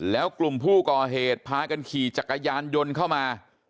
แล้วกลุ่มผู้ก่อเหตุพากันขี่จักรยานยนต์เข้ามา